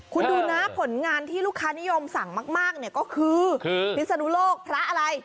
คุณดูนะผลงานที่ลูกค้านิยมสั่งมากเนี่ยก็คือพิศนุโลกพระอะไร